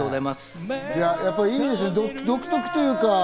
やっぱいいですね、独特というか。